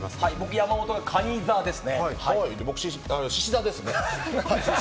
山本、私がかに座です。